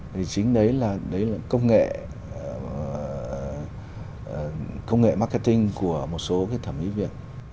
thì chính đấy là công nghệ marketing của một số cái thẩm mỹ việt